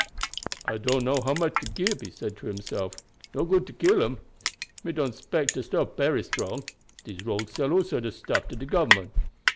"I don't know how much to gib," he said to himself. "No good to kill dem. Me don't 'spect de stuff bery strong. Dese rogues sell all sorts of stuff to de government.